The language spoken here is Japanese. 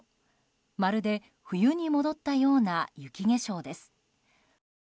まるで冬に戻ったような雪化粧です。